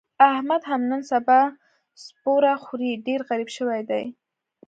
احمد هم نن سبا سپوره خوري، ډېر غریب شوی دی.